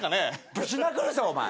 ぶち殴るぞお前！